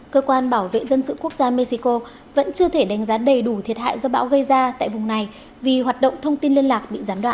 cơ quan bảo vệ dân sự quốc gia mexico vẫn chưa thể đánh giá đầy đủ thiệt hại do bão gây ra tại vùng này vì hoạt động thông tin liên lạc bị gián đoạn